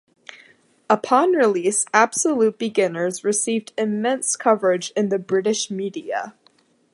Upon release, "Absolute Beginners" received immense coverage in the British media.